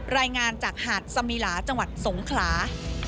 รายงานจากหาดสมิลาจังหวัดสงขลา